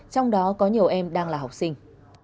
trong đó có nhiều em đang là học sinh